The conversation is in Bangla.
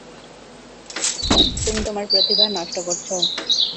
তুমি তোমার প্রতিভা নষ্ট করছো।